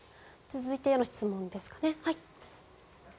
続いての質問です。